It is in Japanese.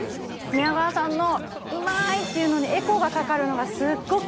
宮川さんの「うまい！」っていうのにエコーがかかるのがすっごく。